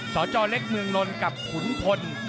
สจเล็กเมืองนนท์กับขุนพล